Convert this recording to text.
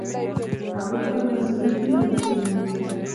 هغوی خپل مسؤلیتونه وپیژني.